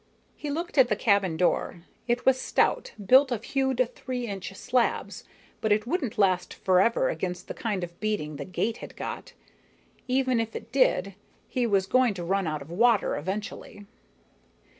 He looked at the cabin door. It was stout, built of hewed three inch slabs, but it wouldn't last forever against the kind of beating the gate had got. Even if it did, he was going to run out of water eventually.